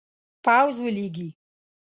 پوځ ولیږي.